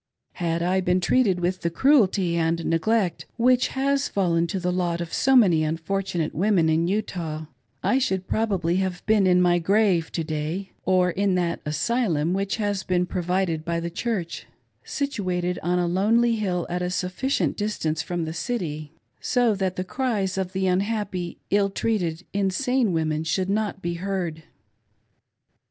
Had I been treated with the cruelty and neglect which has fallen to the lot of so many unfortunate women in Utah, I should probably have been in my grave to day, or in that DISPLAYING HIS " JEWELS !" 483 I Asylum, which has been provided by the Church — situated on a lonely hill at a sufficient distance from the city, so that the cries of the unhappy, ill treated, insane women should not be heard.